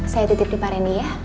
saya titip di pak randy ya